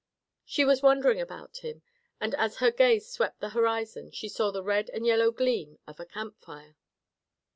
She was wondering about him, and as her gaze swept the horizon she saw the red and yellow gleam of a camp fire.